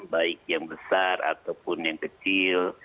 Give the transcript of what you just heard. baik yang besar ataupun yang kecil